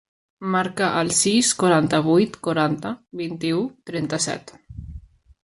Marca el sis, quaranta-vuit, quaranta, vint-i-u, trenta-set.